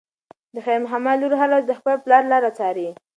د خیر محمد لور هره ورځ د خپل پلار لاره څاري.